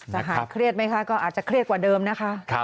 หายเครียดไหมคะก็อาจจะเครียดกว่าเดิมนะคะ